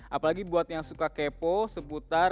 apalagi buat yang suka kewetan yang suka kewetan yang suka kewetan